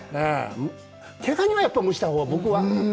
毛ガニは、やっぱり蒸したほうが僕は。